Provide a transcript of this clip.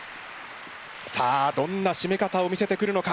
さあどんなしめ方を見せてくるのか？